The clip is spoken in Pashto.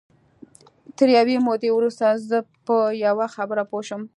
تر یوې مودې وروسته زه په یوه خبره پوه شوم